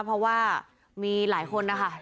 เพราะว่ามีหลายคนนะคะ